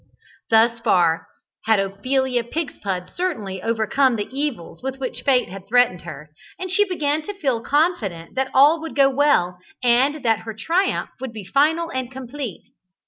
Thus far had Ophelia Pigspud certainly overcome the evils with which fate had threatened her, and she began to feel confident that all would go well, and that her triumph would be final and complete.